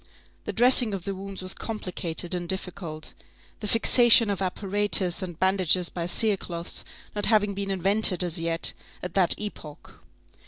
The dressing of the wounds was complicated and difficult, the fixation of apparatus and bandages by cerecloths not having been invented as yet, at that epoch.